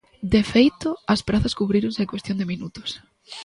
De feito, as prazas cubríronse en cuestión de minutos.